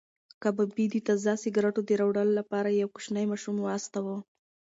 کبابي د تازه سکروټو د راوړلو لپاره یو کوچنی ماشوم واستاوه.